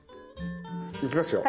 いきますよ。